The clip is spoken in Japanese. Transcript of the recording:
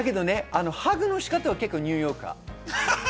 ハグの仕方はニューヨーカー。